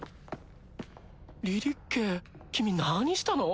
リリッケ君何したの？